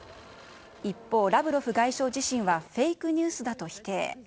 一方、ラブロフ外相自身はフェイクニュースだと否定。